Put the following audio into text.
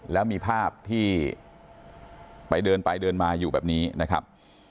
แล้วมีภาพที่ไปเดินไปเดินมาอยู่แบบนี้นะครับ